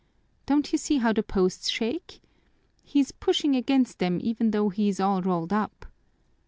Don't you see how the posts shake? He's pushing against them even though he is all rolled up.